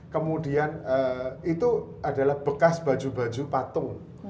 kemudian itu adalah bekas baju baju patung